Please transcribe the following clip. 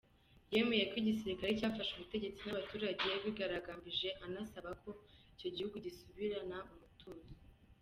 Yemeye ko igisirikare cyafashe ubutegetsi n’abaturage bigaragambije anasaba ko icyo gihugu gisubirana umutuzo.